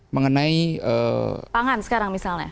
mengenai pangan sekarang misalnya